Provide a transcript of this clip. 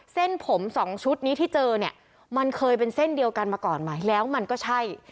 เส้นผมสองชุดนี้ที่เจอเนี่ยมันเคยเป็นเส้นเดียวกันมาก่อนไหมแล้วมันก็ใช่